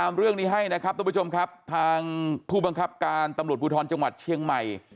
เรื่องนี้ให้นะครับทุกผู้ชมครับทางผู้บังคับการตำรวจภูทรจังหวัดเชียงใหม่